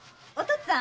っつぁん